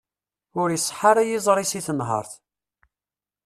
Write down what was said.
Ur iṣeḥḥa ara yiẓri-is i tenhert.